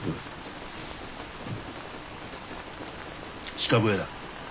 鹿笛だ。